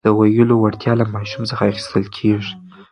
د ویلو وړتیا له ماشوم څخه اخیستل کېږي.